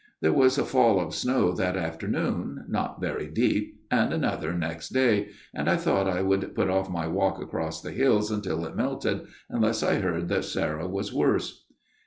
" There was a fall of snow that afternoon, not very deep, and another next day, and I thought I would put off my walk across the hills until it melted, unless I heard that Sarah was worse.